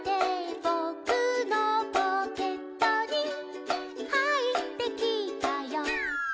「ぼくのポケットにはいってきたよ」